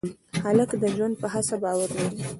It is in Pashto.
هلک د ژوند په هڅه باور لري.